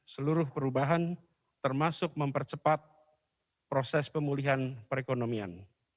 seluruh perubahan termasuk mempercepat proses pemulihan perekonomian